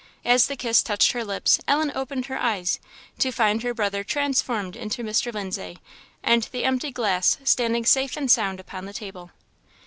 As the kiss touched her lips, Ellen opened her eyes, to find her brother transformed into Mr. Lindsay, and the empty glass standing safe and sound upon the table.